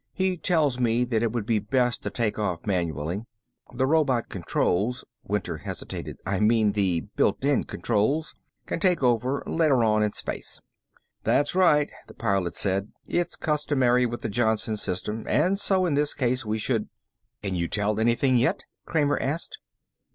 "He tells me that it would be best to take off manually. The robot controls " Winter hesitated. "I mean, the built in controls, can take over later on in space." "That's right," the Pilot said. "It's customary with the Johnson system, and so in this case we should " "Can you tell anything yet?" Kramer asked.